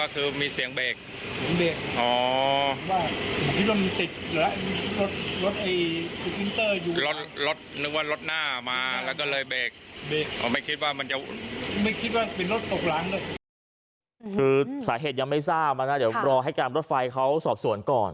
คือสาเหตุยังไม่ทราบนะเดี๋ยวรอให้การรถไฟเขาสอบสวนก่อน